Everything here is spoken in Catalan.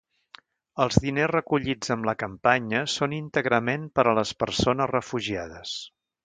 Els diners recollits amb la campanya són íntegrament per a les persones refugiades.